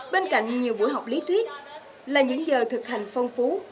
bên cạnh nhiều buổi học lý thuyết là những giờ thực hành phong phú